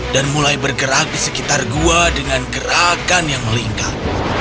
dan mulai bergerak di sekitar gua dengan gerakan yang melingkar